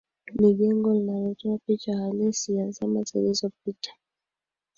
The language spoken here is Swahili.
Ni jengo linatoa picha halisi ya zama zilizopita